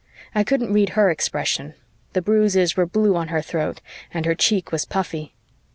I couldn't read her expression; the bruises were blue on her throat and her cheek was puffy.